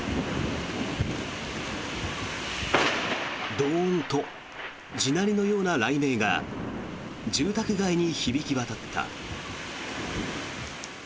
ドーンと地鳴りのような雷鳴が住宅街に響き渡った。